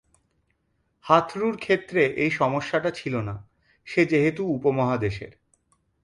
হাথুরুর ক্ষেত্রে এ সমস্যাটা ছিল না, সে যেহেতু উপমহাদেশের।